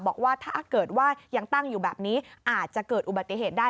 บอกว่าถ้าเกิดว่ายังตั้งอยู่แบบนี้อาจจะเกิดอุบัติเหตุได้